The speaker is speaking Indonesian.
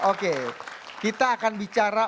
oke kita akan bicara